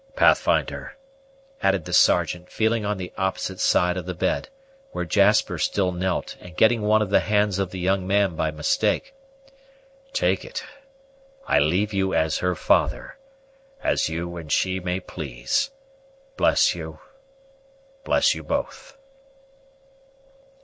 "Pathfinder," added the Sergeant, feeling on the opposite side of the bed, where Jasper still knelt, and getting one of the hands of the young man by mistake, "take it I leave you as her father as you and she may please bless you bless you both!"